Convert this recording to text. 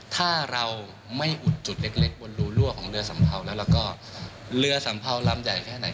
ถ้าเราไม่อุดจุดเล็กบนรูรั่วของเรือสัมเภาแล้วแล้วก็เรือสัมเภาลำใหญ่แค่ไหน